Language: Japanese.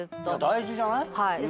大事じゃない？